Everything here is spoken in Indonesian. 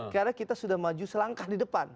karena kita sudah maju selangkah di depan